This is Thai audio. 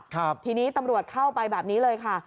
ทีนี้ตำรวจเข้าไปแบบนี้เลยค่ะ